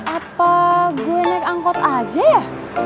apa gue naik angkot aja ya